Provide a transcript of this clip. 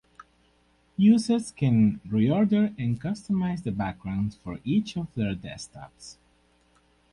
Users can reorder and customize the background for each of their desktops.